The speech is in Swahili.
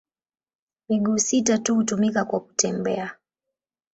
Miguu sita tu hutumika kwa kutembea.